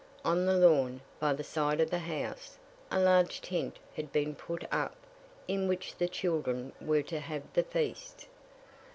On the lawn, by the side of the house, a large tent had been put up, in which the children were to have the feast.